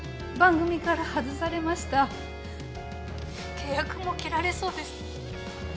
契約も切られそうです。